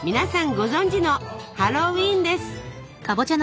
ご存じのハロウィーンです。